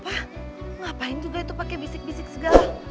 pak ngapain juga itu pake bisik bisik segala